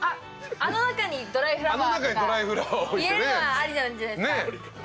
あの中にドライフラワーとか入れるのはありなんじゃないですか。